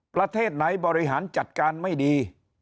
ประเทศไหนบริหารจัดการไม่ดี